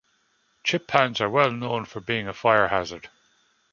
Chip pans are well known for being a fire hazard.